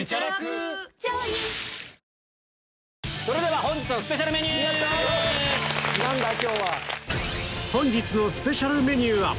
それでは本日のスペシャルメニュー！